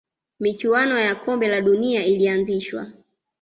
michuano ya kombe la dunia ilianzishwa